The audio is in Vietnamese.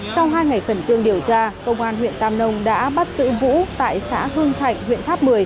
sau hai ngày khẩn trương điều tra công an huyện tam nông đã bắt giữ vũ tại xã hưng thạnh huyện tháp một mươi